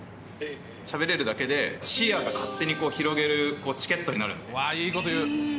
しゃべれるだけで、視野が勝手に広げるチケットになるんで。